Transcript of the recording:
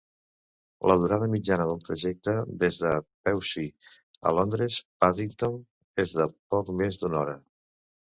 La durada mitjana del trajecte des de Pewsey a Londres Paddington és de poc més d'una hora.